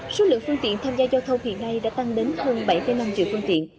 số lượng phương tiện tham gia giao thông hiện nay đã tăng đến hơn bảy năm triệu phương tiện